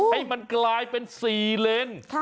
ให้มันกลายเป็นสี่เลนส์